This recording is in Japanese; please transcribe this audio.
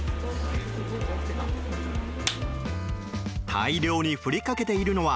大量に振りかけているのは